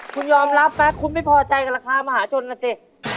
คุณยอมรับไหมคุณไม่พอใจกับราคามหาชนนะสิ